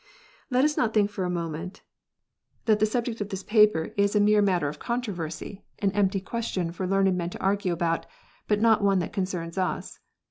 Let us not think for a moment that the subject of this paper REGENERATION. 123 is a mere matter of controversy, an empty question for learned men to argue about, but not one that concerns us.